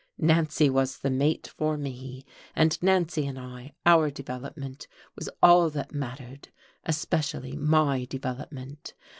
Nancy was the mate for me, and Nancy and I, our development, was all that mattered, especially my development.